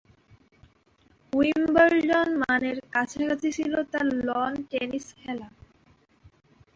Wimbledon মানের কাছাকাছি ছিল তার লন টেনিস খেলা।